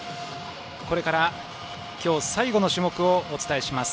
これから今日最後の種目をお伝えします。